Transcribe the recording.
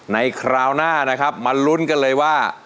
คราวหน้านะครับมาลุ้นกันเลยว่า